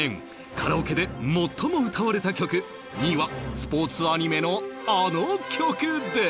カラオケで最も歌われた曲２位はスポーツアニメのあの曲です